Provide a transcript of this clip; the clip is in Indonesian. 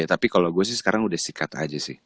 tapi kalau gue sih sekarang udah sikat aja sih